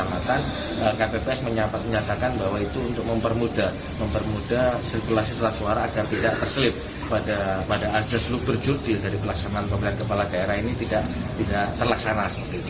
ketika dilakukan investigasi oleh bapak ibu kecamatan kpps menyatakan bahwa itu untuk mempermudah sirkulasi surat suara agar tidak terselip pada asas luk berjudi dari pelaksanaan pemilihan kepala daerah ini tidak terlaksana